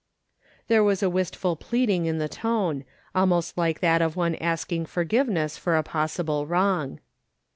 There was a wistful pleading in the tone, almost like that of one asking forgiveness for a possible wrong.